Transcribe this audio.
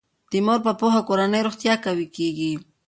د مور په پوهه کورنی روغتیا قوي کیږي.